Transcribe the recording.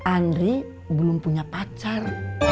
andri belum punya pacar